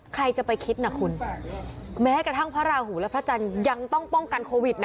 ใครจะไปคิดนะคุณแม้กระทั่งพระราหูและพระจันทร์ยังต้องป้องกันโควิดนะ